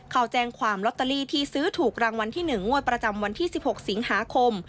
เขาแจ้งความลอตเตอรี่ที่ซื้อถูกรางวัลที่๑งวดประจำวันที่๑๖สิงหาคม